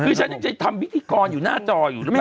คือฉันยังจะทำพิธีกรอยู่หน้าจออยู่หรือเปล่า